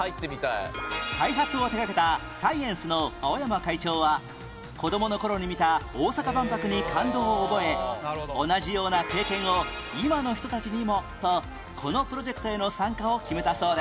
開発を手掛けたサイエンスの青山会長は子どもの頃に見た大阪万博に感動を覚え同じような経験を今の人たちにもとこのプロジェクトへの参加を決めたそうです